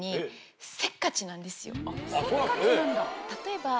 せっかちなんだ？